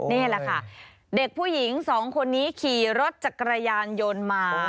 นี่แหละค่ะเด็กผู้หญิงสองคนนี้ขี่รถจักรยานยนต์มา